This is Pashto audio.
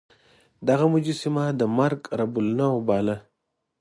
دغه مجسمه د مرګ رب النوع باله.